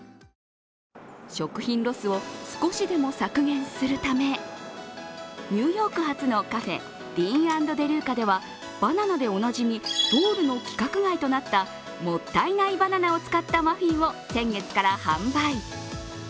食品ロスを少しでも削減するため、ニューヨーク発のカフェＤＥＡＮ＆ＤＥＬＵＣＡではバナナでおなじみドールの規格外となったもったいないバナナを使ったマフィンを先月から販売。